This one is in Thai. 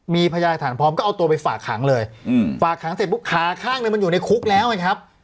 มีพยาฐานพร้อมก็เอาตัวไปฝากขังเลยฝากขังเสร็จปุ๊บขาข้างหนึ่งมันอยู่ในคุกแล้วไงครับ